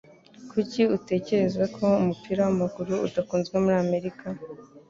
Kuki utekereza ko umupira w'amaguru udakunzwe muri Amerika?